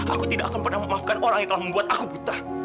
aku tidak akan pernah memaafkan orang yang telah membuat aku butar